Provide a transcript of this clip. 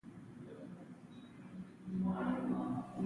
پراګماتيزم په نتيجه باندې ولاړ دی.